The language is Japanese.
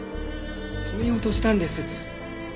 止めようとしたんです。